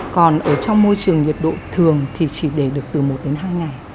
còn ở trong môi trường nhiệt độ thường thì chỉ để được từ một đến hai ngày